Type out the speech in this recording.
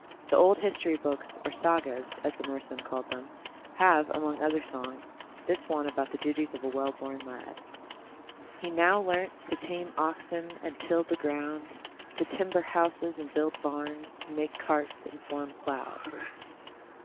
The old history books, or Sagas, as the Norseman called them, have, among other songs, this one about the duties of a well born lad: "He now learnt To tame oxen And till the ground, To timber houses And build barns, To make carts And form plows."